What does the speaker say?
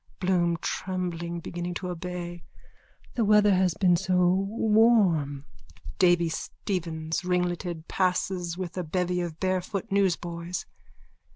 BLOOM: (Trembling, beginning to obey.) The weather has been so warm. _(Davy Stephens, ringletted, passes with a bevy of barefoot newsboys.)